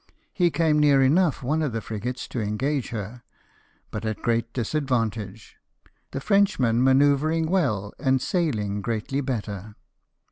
He came near enough one of the frigates to engage her, but at great disadvantage, the Frenchman manoeuvring well, and sailing greatly better.